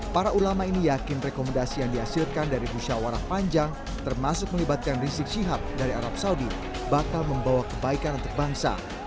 para ulama ini yakin rekomendasi yang dihasilkan dari musyawarah panjang termasuk melibatkan rizik syihab dari arab saudi bakal membawa kebaikan untuk bangsa